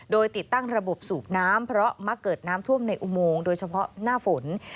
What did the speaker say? โดยติดตั้งระบบสูบน้ำเพราะมักเกิดน้ำท่วมในอุโมงโดยเฉพาะหน้าฝน